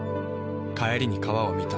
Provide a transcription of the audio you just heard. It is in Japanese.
帰りに川を見た。